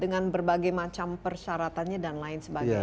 dengan berbagai macam persyaratannya dan lain sebagainya